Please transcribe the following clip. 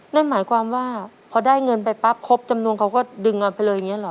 นั่นหมายความว่าพอได้เงินไปปั๊บครบจำนวนเขาก็ดึงเอาไปเลยอย่างนี้หรอ